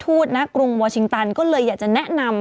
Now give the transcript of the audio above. มีสารตั้งต้นเนี่ยคือยาเคเนี่ยใช่ไหมคะ